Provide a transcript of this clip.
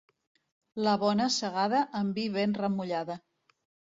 La bona segada, amb vi ben remullada.